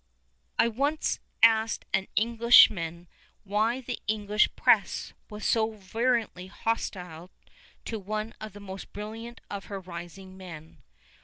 I once asked an Englishman why the English press was so virulently hostile to one of the most brilliant of her rising men.